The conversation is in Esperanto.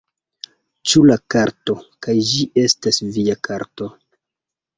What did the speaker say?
Ĉu la karto... kaj ĝi estas via karto...